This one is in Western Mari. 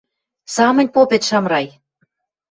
— Самынь попет, Шамрай.